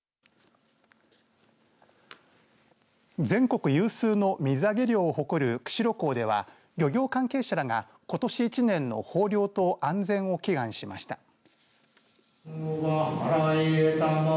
全国有数の水揚げ量を誇る釧路港では漁業関係者らがことし１年の豊漁と安全を祈願しました。